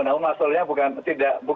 namun maksudnya bukan masalah diskusi atau ini